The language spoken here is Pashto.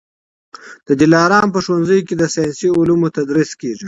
د دلارام په ښوونځیو کي د ساینسي علومو تدریس کېږي